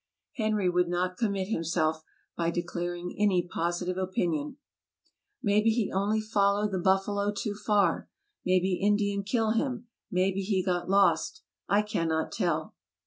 Henry would not commit himself by declaring any positive opinion: '' Maybe he only follow the buffalo too far ; maybe Indian kill him; maybe he got lost; I cannot tell!